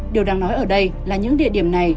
điều đang nói ở đây là những địa điểm này